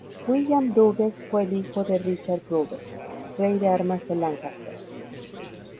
William Bruges fue el hijo de Richard Bruges, rey de armas de Lancaster.